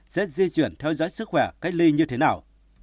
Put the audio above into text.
xét di chuyển theo dõi sức khỏe cách ly như thế nào